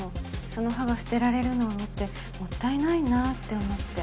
その歯が捨てられるのを見てもったいないなぁって思って。